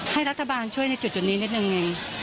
ให้รัฐบาลช่วยในจุดนี้นิดนึงเอง